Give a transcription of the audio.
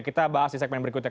kita bahas di segmen berikutnya